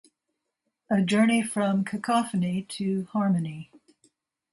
A journey from cacophony to harmony.